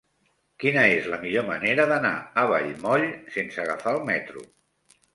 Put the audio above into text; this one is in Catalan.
Quina és la millor manera d'anar a Vallmoll sense agafar el metro?